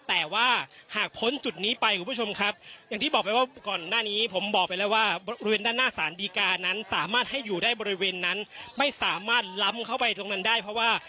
แต่ว่าหากพ้นจุดนี้ไปคุณผู้ชมครับอย่างที่บอกไปว่าก่อนหน้านี้ผมบอกไปแล้วว่าบริเวณด้านหน้าสารดีกานั้นสามารถให้อยู่ได้บริเวณนั้นไม่สามารถล้ำเข้าไปตรงนั้นได้เพราะว่า